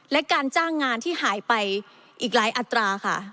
และการจ้างงานที่หายไปอีกหลายอัตราค่ะ